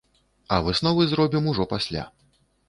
А высновы зробім ужо пасля.